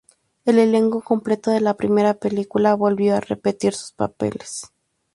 El elenco completo de la primera película volvió a repetir sus papeles.